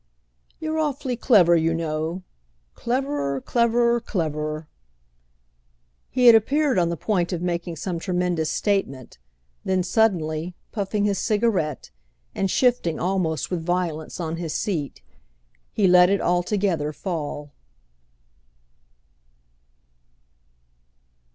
"You're awfully clever, you know; cleverer, cleverer, cleverer—!" He had appeared on the point of making some tremendous statement; then suddenly, puffing his cigarette and shifting almost with violence on his seat, he let it altogether fall.